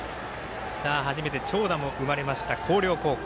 初めて長打も生まれました広陵高校。